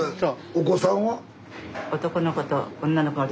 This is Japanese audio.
お子さんは？